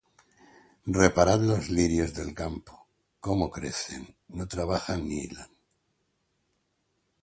Reparad los lirios del campo, cómo crecen; no trabajan ni hilan;